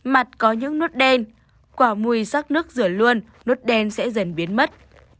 mặt có những nốt đen quả mùi sắc nước rửa luôn nốt đen sẽ dần biến mất